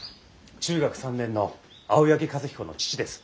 中学３年の青柳和彦の父です。